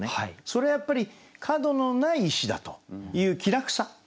それはやっぱり角のない石だという気楽さ。